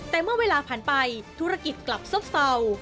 แต่เมื่อเวลาผ่านไปธุรกิจกลับซบเศร้า